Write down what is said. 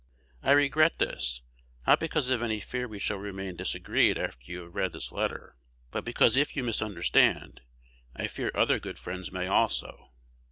I regret this, not because of any fear we shall remain disagreed after you have read this letter, but because if you misunderstand, I fear other good friends may also.